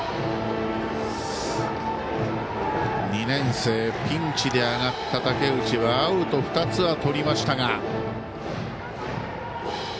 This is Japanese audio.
２年生ピンチで上がった武内はアウト２つはとりましたが。